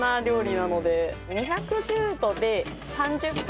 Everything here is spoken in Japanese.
２１０度で３０分。